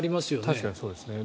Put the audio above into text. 確かにそうですね。